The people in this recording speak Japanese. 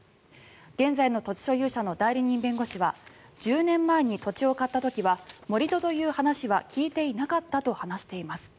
現在の土地所有者の代理人弁護士は１０年前に土地を買った時は盛り土という話は聞いていなかったと話しています。